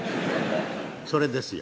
それですよ。